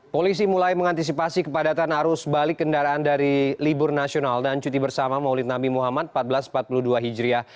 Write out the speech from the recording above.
polisi mulai mengantisipasi kepadatan arus balik kendaraan dari libur nasional dan cuti bersama maulid nabi muhammad seribu empat ratus empat puluh dua hijriah